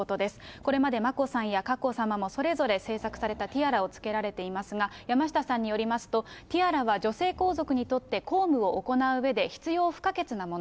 これまで眞子さんや佳子さまもそれぞれ製作されたティアラをつけられていますが、山下さんによりますと、ティアラは女性皇族にとって公務を行ううえで必要不可欠なもの。